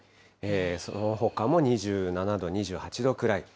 そのほかも２７度、２８度くらい。